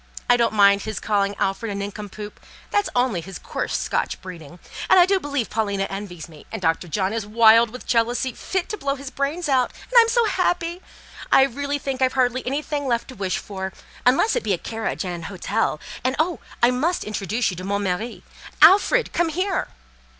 I don't mind his calling Alfred a 'nincompoop'—that's only his coarse Scotch breeding; and I believe Paulina envies me, and Dr. John is wild with jealousy—fit to blow his brains out—and I'm so happy! I really think I've hardly anything left to wish for—unless it be a carriage and an hotel, and, oh! I—must introduce you to 'mon mari.' Alfred, come here!"